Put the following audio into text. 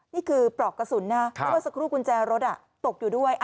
นี่คือปลอกกระสุนนะแล้วก็สกรูกุญแจรถตกอยู่ด้วย